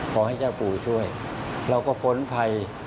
ขอให้เจ้าปู่ช่วยเราก็พ้นภัย